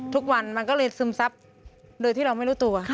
ทุกวันมันก็เลยซึมซับโดยที่เราไม่รู้ตัว